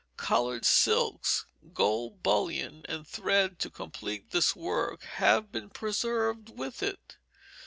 Colored silks, gold bullion and thread to complete this work have been preserved with it.